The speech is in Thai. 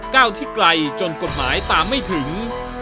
ก้าวที่ไกลจนกฎหมายตามไม่ถึง